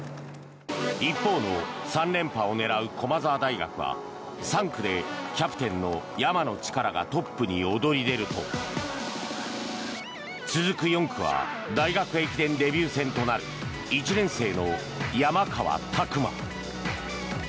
一方の３連覇を狙う駒澤大学は３区でキャプテンの山野力がトップに躍り出ると続く４区は大学駅伝デビュー戦となる１年生の山川拓馬。